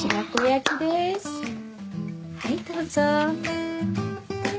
はいどうぞ。